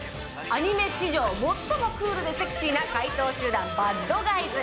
アニメ史上最もクールでセクシーな怪盗集団、バッドガイズ。